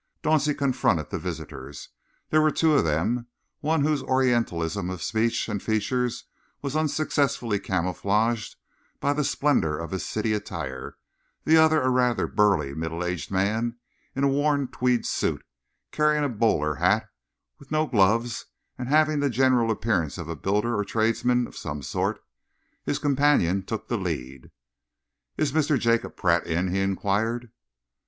Dauncey confronted the visitors. There were two of them one whose orientalism of speech and features was unsuccessfully camouflaged by the splendour of his city attire, the other a rather burly, middle aged man, in a worn tweed suit, carrying a bowler hat, with no gloves, and having the general appearance of a builder or tradesman of some sort. His companion took the lead. "Is Mr. Jacob Pratt in?" he enquired.